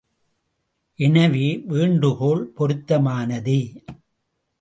எனவே, வேண்டுகோள் பொருத்தமானதே.